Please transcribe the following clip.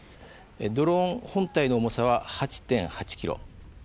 ドローン本体の重さは８．８ｋｇ。